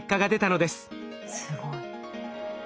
すごい。